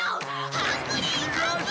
ハングリーアングリー！